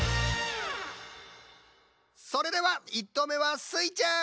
それでは１とうめはスイちゃん！